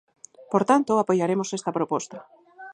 Por tanto, apoiaremos esta proposta.